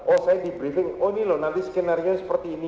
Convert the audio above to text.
oh saya di briefing oh ini loh nanti skenario seperti ini